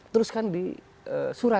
teruskan di sebuah negara